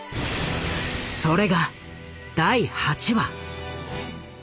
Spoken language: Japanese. それが第８話。